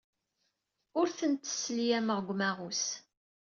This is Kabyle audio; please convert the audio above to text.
Ur tent-sselyameɣ deg umaɣus.